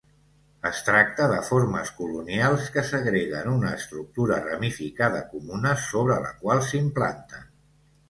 Es tracta de formes colonials que segreguen una estructura ramificada comuna sobre la qual s'implanten.